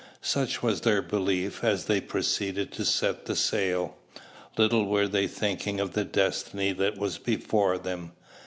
Such was their belief, as they proceeded to set the sail. Little were they thinking of the destiny that was before them.